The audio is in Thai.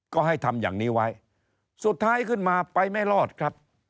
ก็ให้ทำอย่างนี้ไว้สุดท้ายขึ้นมาไปไม่รอดครับ